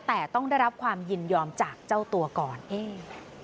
แต่ต้องได้รับความยินยอมจากเจ้าตัวก่อนอืม